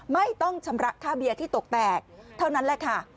ไม่ต้องชำระค่าเบียร์ที่ตกแตกเท่านั้นแหละค่ะ